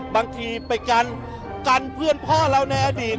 บางทีไปกันเพื่อนพ่อเราในอดีต